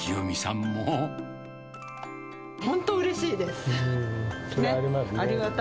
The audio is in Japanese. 本当、うれしいです。